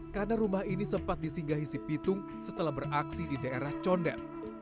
karena rumah ini sempat disinggahi si pitung setelah beraksi di daerah condem